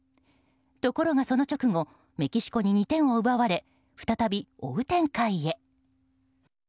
ところが、その直後メキシコに２点を奪われ再び、追う展開へ。